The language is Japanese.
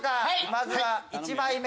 まずは１枚目